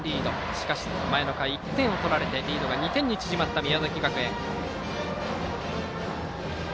しかし前の回に１点を取られてリードが２点に縮まった宮崎学園。